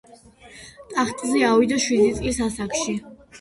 ტახტზე ავიდა შვიდი წლის ასაკში.